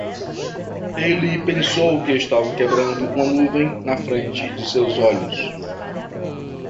Ele pensou que estava quebrando uma nuvem na frente de seus olhos.